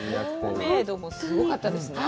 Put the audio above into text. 透明度もすごかったですか。